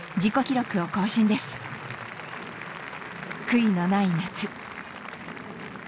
悔いのない夏。